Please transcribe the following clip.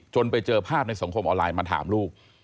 ไปเจอภาพในสังคมออนไลน์มาถามลูก